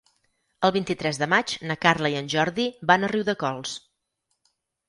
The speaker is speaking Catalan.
El vint-i-tres de maig na Carla i en Jordi van a Riudecols.